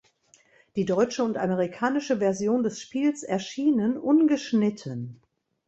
Die deutsche und amerikanische Version des Spiels erschienen ungeschnitten.